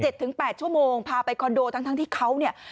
๗๘ชั่วโมงพาไปคอนโดทั้งที่เขาเนี่ย